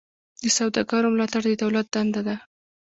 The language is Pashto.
د سوداګرو ملاتړ د دولت دنده ده